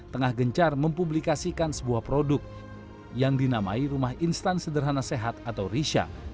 tengah gencar mempublikasikan sebuah produk yang dinamai rumah instan sederhana sehat atau risha